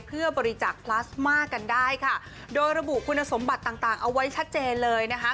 เพื่อบริจาคพลาสมากันได้ค่ะโดยระบุคุณสมบัติต่างต่างเอาไว้ชัดเจนเลยนะคะ